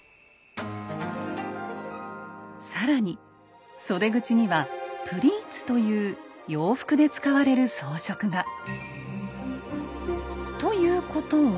更に袖口には「プリーツ」という洋服で使われる装飾が。